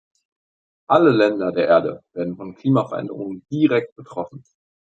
Alle Länder der Erde werden von Klimaveränderungen direkt betroffen.